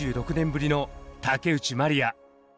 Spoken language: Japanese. ２６年ぶりの竹内まりや。